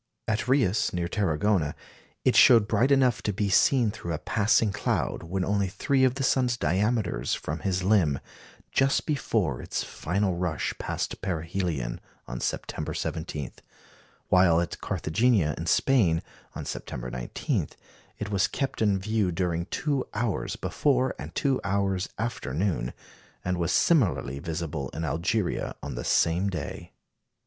At Reus, near Tarragona, it showed bright enough to be seen through a passing cloud when only three of the sun's diameters from his limb, just before its final rush past perihelion on September 17; while at Carthagena in Spain, on September 19, it was kept in view during two hours before and two hours after noon, and was similarly visible in Algeria on the same day.